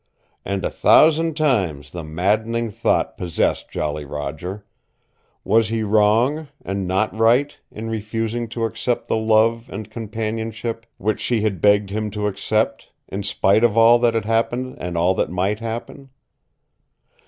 And a thousand times the maddening thought possessed Jolly Roger was he wrong, and not right, in refusing to accept the love and companionship which she had begged him to accept, in spite of all that had happened and all that might happen?